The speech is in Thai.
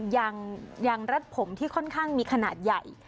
ยังรัดผมที่ค่อนข้างมีขนาดใหญ่